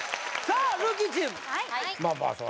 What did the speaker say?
ルーキーチームまあまあ